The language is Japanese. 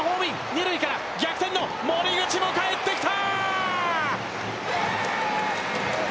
二塁から逆転の森口も帰ってきた！